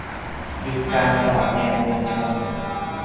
หยุดการสอดแนมมวลชน